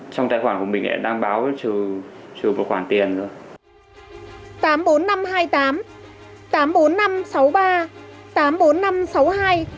trong tài khoản của mình đã đăng báo trừ một khoản tiền rồi